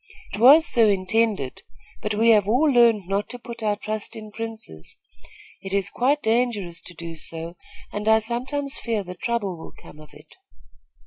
"It was so intended; but we have all learned not to put our trust in princes. It is quite dangerous to do so, and I sometimes fear that trouble will come of it."